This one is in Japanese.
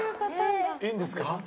いいんですか？